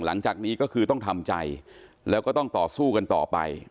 หลังจากนี้ก็คือต้องทำใจแล้วก็ต้องต่อสู้กันต่อไป